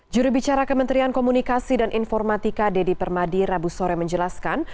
juru bicara kementerian komunikasi dan informatika dedy permadi rabu sore menjelaskan